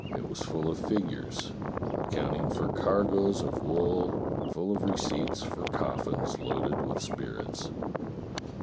It was full of figures account ing for cargoes of wool, full of receipts for coffins loaded with spirits.